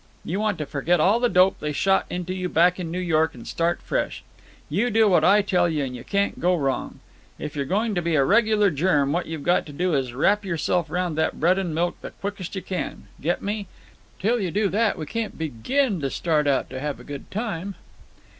You want to forget all the dope they shot into you back in New York and start fresh. You do what I tell you and you can't go wrong. If you're going to be a regular germ, what you've got to do is to wrap yourself round that bread and milk the quickest you can. Get me? Till you do that we can't begin to start out to have a good time."